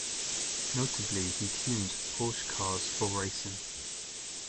Notably he tuned Porsche cars for racing.